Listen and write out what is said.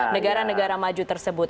negara negara maju tersebut